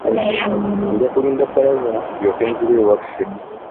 Nja kulinda Bbalaza ndyoke nzire ewaffe.